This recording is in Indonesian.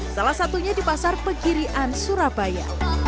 salah satunya di pasar pegirian surabaya